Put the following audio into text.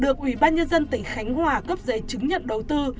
được ủy ban nhân dân tỉnh khánh hòa cấp giấy chứng nhận đầu tư